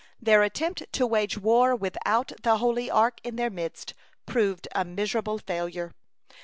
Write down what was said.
Their attempt to wage war without the Holy Ark in their midst proved a miserable failure.